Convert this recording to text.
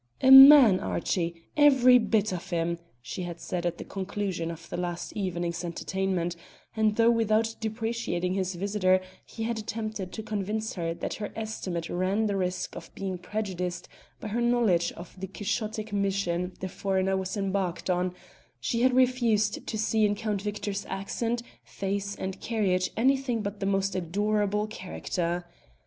"A man! Archie, every bit of him!" she had said at the conclusion of last evening's entertainment; and though without depreciating his visitor he had attempted to convince her that her estimate ran the risk of being prejudiced by her knowledge of the quixotic mission the foreigner was embarked on, she had refused to see in Count Victor's accent, face, and carriage anything but the most adorable character.